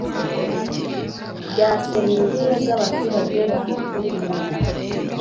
byasenya inzu zabaturage bahaturiye